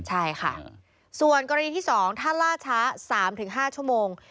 ใช่ค่ะส่วนกรณีที่๒ถ้าล่าช้า๓๕ชั่วโมง